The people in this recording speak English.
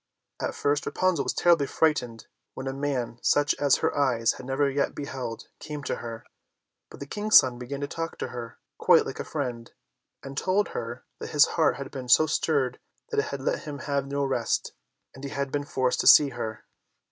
At first Rapunzel was terribly frightened when a man such as her eyes had never yet beheld, came to her; but the King's son began to talk to her quite like a friend, and told her that his heart had been so stirred that it had let him have no rest, and he had been forced to see her.